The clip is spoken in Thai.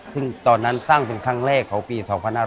ซึ่งตอนนั้นสร้างเป็นครั้งแรกของปี๒๕๕๙